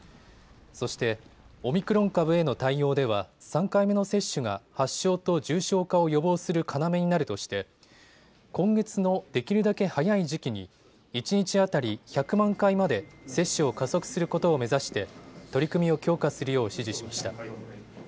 そしてオミクロン株への対応では３回目の接種が発症と重症化を予防する要になるとして今月のできるだけ早い時期に一日当たり１００万回まで接種を加速することを目指して取り組みを強化するよう指示しました。